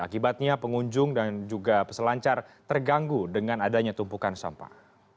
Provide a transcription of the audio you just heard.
akibatnya pengunjung dan juga peselancar terganggu dengan adanya tumpukan sampah